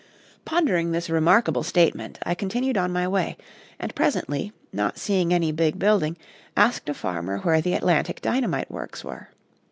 "] Pondering this remarkable statement, I continued on my way, and presently, not seeing any big building, asked a farmer where the Atlantic Dynamite Works were.